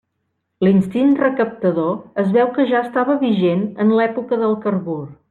L'instint recaptador es veu que ja estava vigent en l'època del carbur.